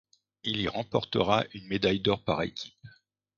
Il y remportera une médaille d'or par équipes.